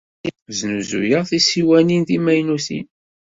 Snuzuyeɣ tisiwanin d timaynutin.